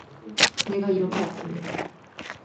내가 이렇게 아픈데